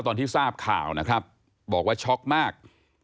ตอนที่ทราบข่าวนะครับบอกว่าช็อกมาก